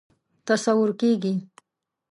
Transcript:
تصور کېږي.